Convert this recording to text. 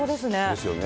ですよね。